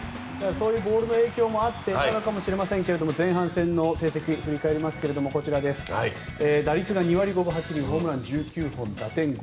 そういうボールの影響もあったかもしれませんが前半戦の成績を振り返ると打率が２割５分８厘ホームラン１９本、打点５６。